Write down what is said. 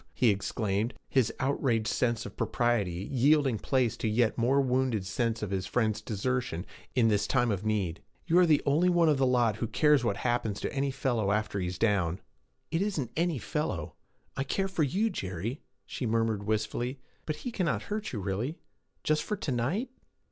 he exclaimed, his outraged sense of propriety yielding place to a yet more wounded sense of his friends' desertion in this time of need; 'you are the only one of the lot who cares what happens to any fellow after he is down.' 'It isn't "any fellow." I care for you, Jerry,' she murmured wistfully. 'But he cannot hurt you, really? Just for to night?'